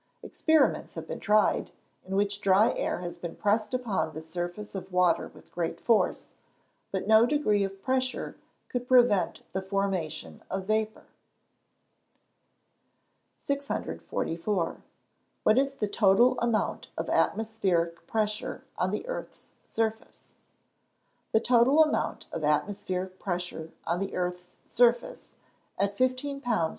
Experiments have been tried, in which dry air has been pressed upon the surface of water with great force, but no degree of pressure could prevent the formation of vapour. (See 431.) 644. What is the total amount of atmospheric pressure on the earth's surface? The total amount of atmospheric pressure on the earth's surface, at 15 lbs.